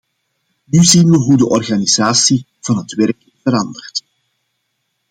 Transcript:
Nu zien we hoe de organisatie van het werk verandert.